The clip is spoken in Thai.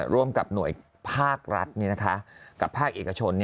ร่วมกับหน่วยภาครัฐกับภาคเอกชน